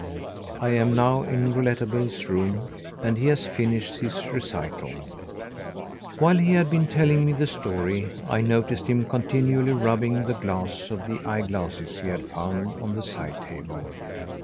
I am now in Rouletabille's room and he has finished his recital. While he had been telling me the story I noticed him continually rubbing the glass of the eyeglasses he had found on the side table.